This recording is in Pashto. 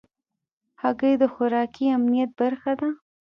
هګۍ د خوراکي امنیت برخه ده.